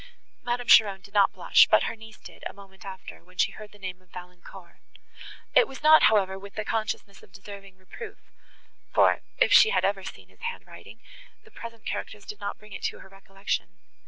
Madame Cheron did not blush; but her niece did, a moment after, when she heard the name of Valancourt. It was not, however, with the consciousness of deserving reproof, for, if she ever had seen his hand writing, the present characters did not bring it to her recollection.